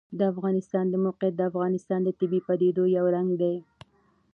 د افغانستان د موقعیت د افغانستان د طبیعي پدیدو یو رنګ دی.